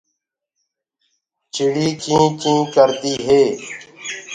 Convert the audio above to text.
چِڙي چيٚنٚچيٚڪردي هي۔